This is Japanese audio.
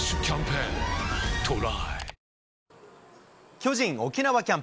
巨人沖縄キャンプ。